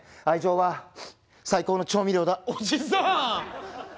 愛情は最高の調味料だ。